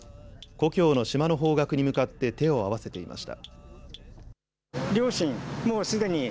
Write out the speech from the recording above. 故郷の島の方角に向かって手を合わせていました。